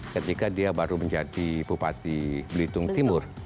ketika dia baru menjadi bupati belitung timur